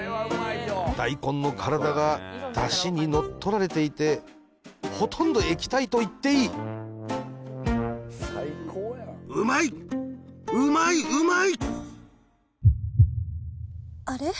大根の体がだしに乗っ取られていてほとんど液体といっていいうまいうまいうまい！